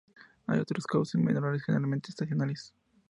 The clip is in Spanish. Hay otros causes menores, generalmente estacionales.